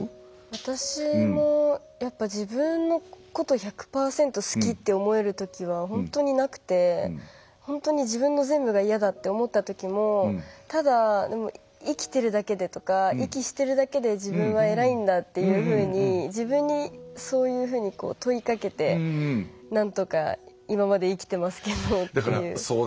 私もやっぱ自分のこと１００％好きって思えるときは本当になくて本当に自分の全部が嫌だって思ったときもただ生きてるだけでとか息してるだけで自分は偉いんだっていうふうに自分にそういうふうに問いかけてなんとか今まで生きてますけどっていう。